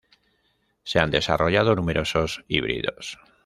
Se han desarrollado numerosos híbridos.